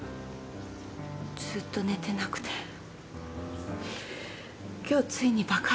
ずっと寝てなくて今日ついに爆発しちゃった。